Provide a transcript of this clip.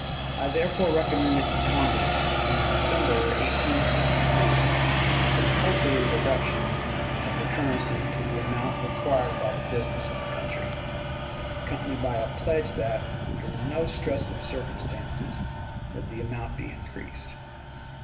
I therefore recommended to Congress, in December, 1863, the compulsory reduction of the currency to the amount required by the business of the country, accompanied by a pledge that, under no stress of circumstances, would the amount be increased.